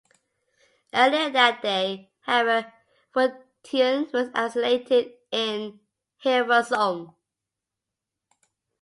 Earlier that day, however Fortuyn was assassinated in Hilversum.